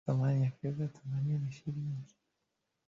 thamani ya fedha ya tanzania ni shilingi